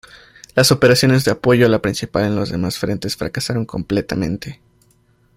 Las operaciones de apoyo a la principal en los demás frentes fracasaron completamente.